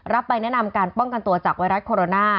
ไปแนะนำการป้องกันตัวจากไวรัสโคโรนา